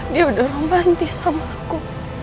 dia udah romanti sama aku